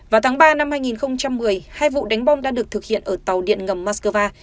vào tháng ba năm hai nghìn một mươi hai vụ đánh bom đã được thực hiện ở tàu điện ngầm moscow